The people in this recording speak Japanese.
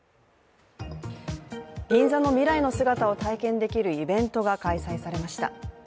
銀座の未来の姿を体験できるイベントが開催されました。